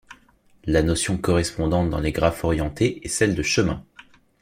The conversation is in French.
La notion correspondante dans les graphes orientés est celle de chemin.